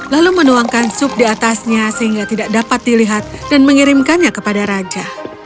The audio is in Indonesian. lalu menuangkan sup di atasnya sehingga tidak dapat dilihat dan mengirimkannya kepada raja